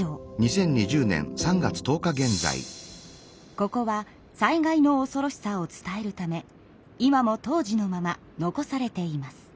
ここは災害のおそろしさを伝えるため今も当時のまま残されています。